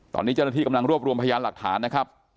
ตอนนี้เจ้าหน้าที่กำลังรวบรวมพยานหลักฐานนะครับ